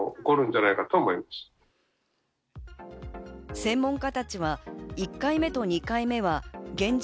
専門家たちは１回目と２回目は現状